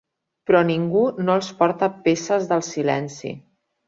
Però ningú no els porta peces del silenci.